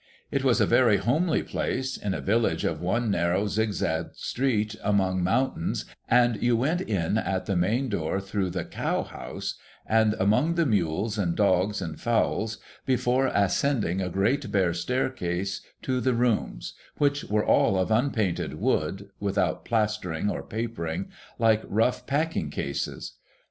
It was a very homely place, in a village of one narrow zigzag street, among jnountains, and you went in at the main door through the cow house, A SWISS INN 97 and among the mules and the dogs and the fowls, before ascending a great bare staircase to the rooms ; which were all of unpainted wood, without plastering or papering, — like rough packing cases.